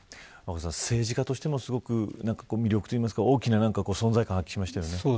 政治家としてもすごく魅力的っていいますか大きな存在感を発揮しましたよね。